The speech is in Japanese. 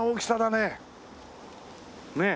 ねえ。